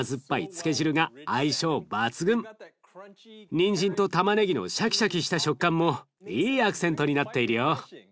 にんじんとたまねぎのシャキシャキした食感もいいアクセントになっているよ。